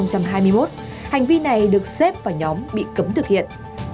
hành vi này được xếp vào nhóm bị cấm thực hiện